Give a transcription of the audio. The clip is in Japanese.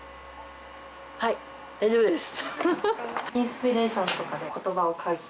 はい、大丈夫です。